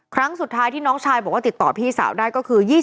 ครั้งสุดท้ายที่น้องชายบอกว่าติดต่อพี่สาวได้ก็คือ